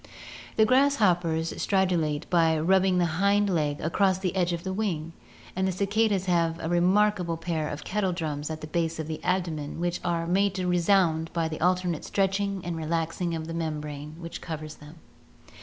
The grasshoppers stridulate by rubbing the hind leg across the edge of the wing, and the cicadas have a remarkable pair of kettle drums at the base of the abdomen which are made to resound by the alternate stretching and relaxing of the membrane which covers them.